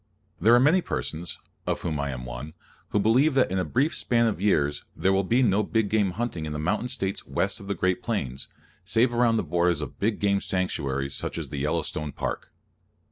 There are many persons, of whom I am one, who believe that in a brief span of years there will be no big game hunting in the mountain States west of the great plains, save around the borders of big game sanctuaries, such as the Yellowstone Park.